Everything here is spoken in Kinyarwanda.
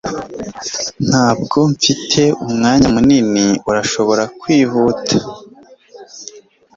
ntabwo mfite umwanya munini. urashobora kwihuta